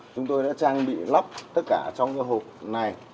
chúng tôi đã trang bị lóc tất cả trong cái hộp này